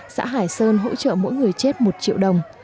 xã hải sơn hỗ trợ mỗi người chết một triệu đồng